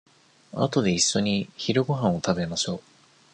あとでいっしょに昼ごはんを食べましょう。